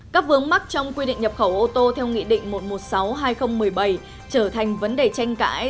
các vướng mắc trong quy định nhập khẩu ô tô theo nghị định một trăm một mươi sáu hai nghìn một mươi bảy trở thành vấn đề tranh cãi